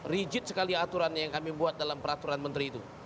rigid sekali aturan yang kami buat dalam peraturan menteri itu